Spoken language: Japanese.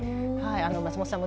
松本さん